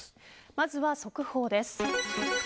まずは速報です。